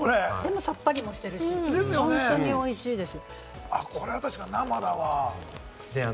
さっぱりしてるし本当においしいです。